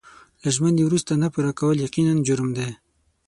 له ژمنې وروسته نه پوره کول یقیناً جرم دی.